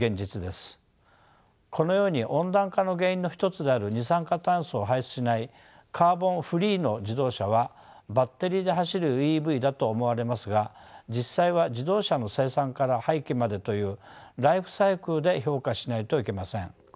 このように温暖化の原因の一つである二酸化炭素を排出しないカーボン・フリーの自動車はバッテリーで走るＥＶだと思われますが実際は自動車の生産から廃棄までというライフサイクルで評価しないといけません。